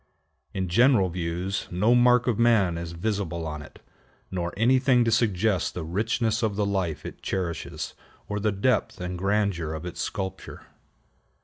In general views no mark of man is visible on it, nor anything to suggest the richness of the life it cherishes, or the depth and grandeur of its sculpture.